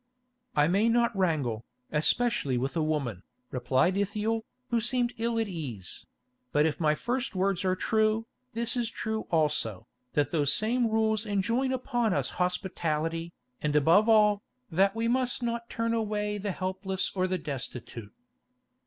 "I may not wrangle, especially with a woman," replied Ithiel, who seemed ill at ease; "but if my first words are true, this is true also, that those same rules enjoin upon us hospitality, and above all, that we must not turn away the helpless or the destitute."